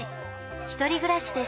１人暮らしです。